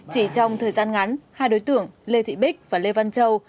chỉ trong thời gian ngắn hai đối tượng lê thị bích và lê văn châu